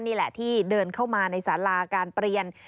นี่แหละที่เดินเข้ามาในสาราการเปลี่ยน